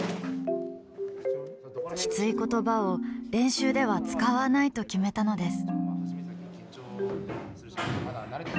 きつい言葉を練習では使わないと決めたのです。